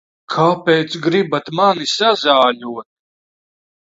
Kāpēc gribat mani sazāļot?